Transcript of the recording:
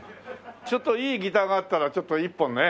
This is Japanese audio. ちょっといいギターがあったらちょっと１本ね。